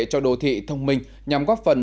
cho đô thị thông minh nhằm góp phần